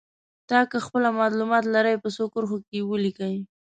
یا که خپله معلومات لرئ په څو کرښو کې یې ولیکئ.